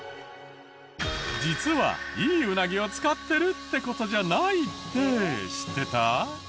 実はいいウナギを使ってるって事じゃないって知ってた？